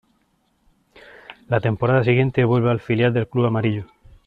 La temporada siguiente vuelve al filial del club amarillo.